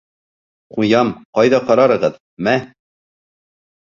Ҡуям, ҡайҙа ҡарарығыҙ, мә!